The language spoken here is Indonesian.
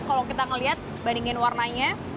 kalau kita melihat bandingin warnanya